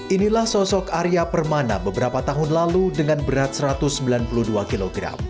inilah sosok arya permana beberapa tahun lalu dengan berat satu ratus sembilan puluh dua kg